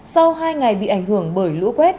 sau hai ngày bị ảnh hưởng bởi lũ quét